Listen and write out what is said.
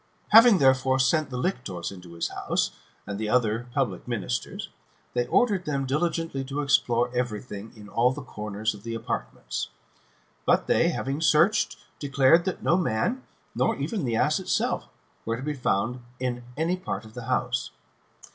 Having, therefore, sent the lictors into the house, and the other public ministers, they ordered them diligently to explore every thing, in all the corners of the apartments. But, they, having searched, declared that no man, nor even the ass itself, were to be found in any part of the house.